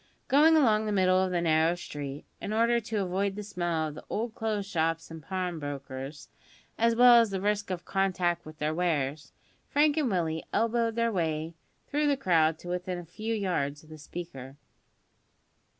Going along the middle of the narrow street, in order to avoid the smell of the old clothes' shops and pawnbrokers, as well as the risk of contact with their wares, Frank and Willie elbowed their way through the crowd to within a few yards of the speaker.